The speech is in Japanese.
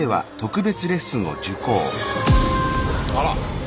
あら！